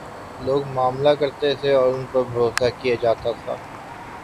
لوگ معاملہ کرتے تھے اور ان پر بھروسہ کیا جا تا تھا۔